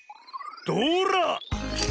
どら！